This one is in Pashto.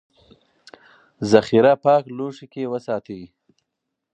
ذخیره پاک لوښي کې وساتئ.